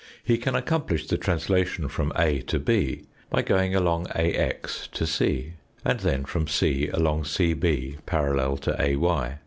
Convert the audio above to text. He can accomplish the translation from A to B by going along AX to C, and then from c along CB parallel to AY.